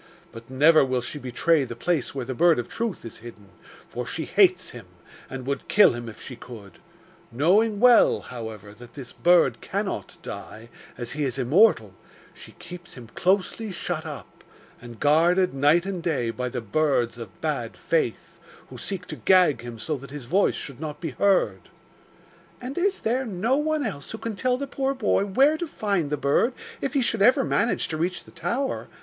But never will she betray the place where the Bird of Truth is hidden, for she hates him, and would kill him if she could; knowing well, however, that this bird cannot die, as he is immortal, she keeps him closely shut up, and guarded night and day by the Birds of Bad Faith, who seek to gag him so that his voice should not be heard.' 'And is there no one else who can tell the poor boy where to find the bird, if he should ever manage to reach the tower?